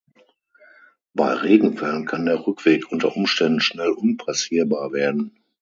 Bei Regenfällen kann der Rückweg unter Umständen schnell unpassierbar werden.